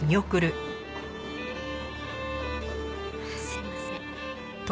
すみません。